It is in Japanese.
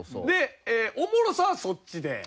でおもろさはそっちで。